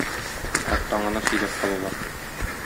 Арттан гына сөйләп калулар.